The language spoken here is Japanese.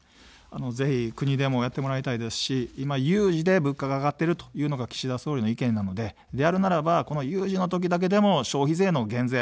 ぜひ国でもやってもらいたいですし、今、有事で物価が上がっているというのが岸田総理の意見なので、であるならば有事の時だけでも消費税の減税。